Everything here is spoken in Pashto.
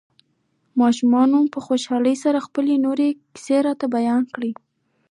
ماشوم په خوشحالۍ سره خپلې نوې کيسې راته بيان کړې.